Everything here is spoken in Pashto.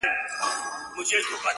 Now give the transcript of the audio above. بيزو ناسته وه خاوند ته يې كتله؛